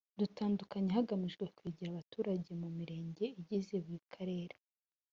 dutandukanye hagamijwe kwegera abaturage mu Mirenge igize buri Karere